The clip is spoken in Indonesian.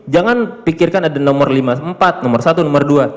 jangan pikirkan ada nomor lima puluh empat nomor satu nomor dua